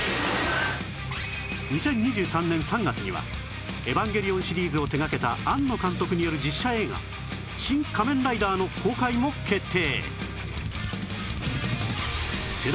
２０２３年３月には『エヴァンゲリオン』シリーズを手掛けた庵野監督による実写映画『シン・仮面ライダー』の公開も決定